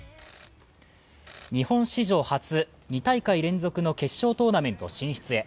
日本史上初、２大会連続の決勝トーナメント進出へ。